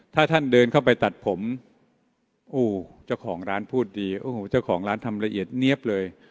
ถ้าท่านเดินเข้าไปตัดผมโอ้เจ้าของร้านพูดดีโอ้โหเจ้าของร้านทำละเอียดเนี๊ยบเลย